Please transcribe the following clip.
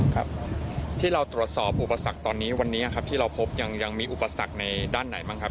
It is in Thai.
ครับที่เราตรวจสอบอุปสรรคตอนนี้วันนี้ครับที่เราพบยังมีอุปสรรคในด้านไหนบ้างครับ